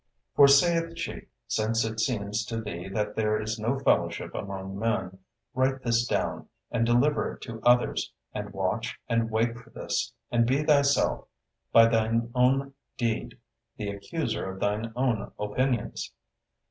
For, saith she, _since it seems to thee that there is no fellowship among men, write this down, and deliver it to others, and watch and wake for this, and be thyself by thine own deed the accuser of thine own opinions_.